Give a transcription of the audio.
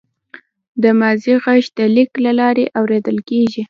د ماضي غږ د لیک له لارې اورېدل کېږي.